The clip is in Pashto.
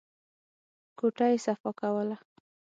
کوټه يې صفا کوله.